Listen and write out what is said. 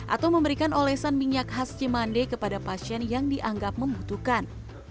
atau memberikan olesan minyak khas cimande kepada pasien yang dianggap membutuhkan